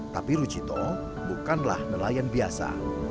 tapi rujito bukanlah nelayan biasa